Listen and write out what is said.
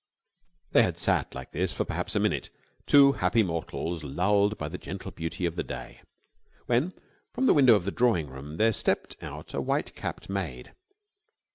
They had sat like this for perhaps a minute two happy mortals lulled by the gentle beauty of the day when from the window of the drawing room there stepped out a white capped maid.